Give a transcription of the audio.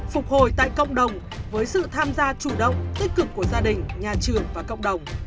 phục hồi tại cộng đồng với sự tham gia chủ động tích cực của gia đình nhà trường và cộng đồng